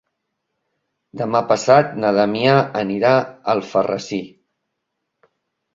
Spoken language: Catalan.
Demà passat na Damià anirà a Alfarrasí.